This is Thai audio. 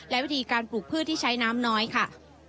และวิธีการปลูกพืชที่ใช้น้ำน้อยค่ะ